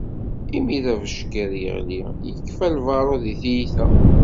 Imi d abeckiḍ yeɣli yekfa lbaṛud i tyita.